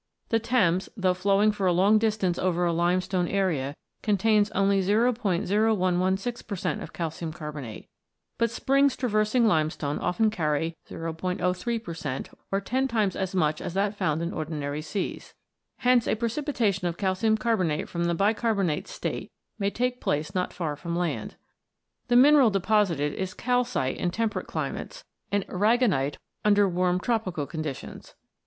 The Thames, though flowing for a long distance over a limestone area, contains only *0116 per cent, of calcium carbonate ; but springs traversing limestone often carry *03 per cent., or ten times as . much as that found in ordinary seas. Hence a precipitation of calcium carbonate from the bi carbonate state may take place not far from land. The mineral deposited is calcite in temperate climates and aragonite under warm tropical conditions.